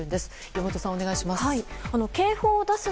岩本さんお願いします。